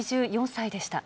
８４歳でした。